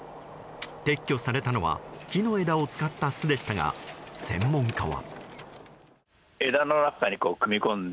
撤去されたのは木の枝を使った巣でしたが専門家は。